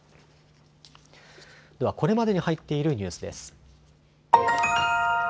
では、これまでに入っているニュースです。